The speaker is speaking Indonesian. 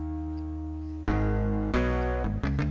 eh nanti aku ambil